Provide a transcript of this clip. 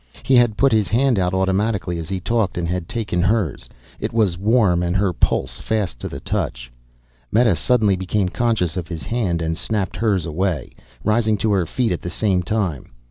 He had put his hand out automatically as he talked, and had taken hers. It was warm and her pulse fast to his touch. Meta suddenly became conscious of his hand and snapped hers away, rising to her feet at the same time.